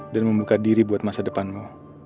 dan membuka diri buat masa depanmu